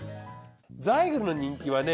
ザイグルの人気はね